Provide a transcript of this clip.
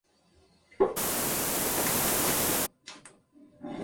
Remata en una peineta, con hornacina entre columnas salomónicas, que alberga a San Agustín.